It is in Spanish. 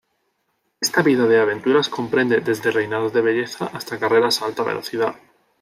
Esta vida de aventuras comprende desde reinados de belleza hasta carreras a alta velocidad.